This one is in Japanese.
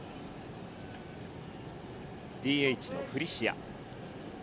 ＤＨのフリシア。